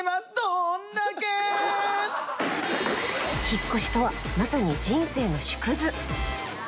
引っ越しとはまさに人生の縮図。